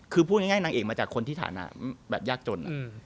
คือพูดง่ายนางเอกมาจากคนที่ฐานะแบบยากจน